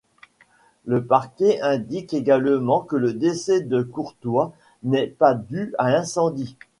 Le parquet indique également que le décès de Courtois n'est pas dû à l'incendie.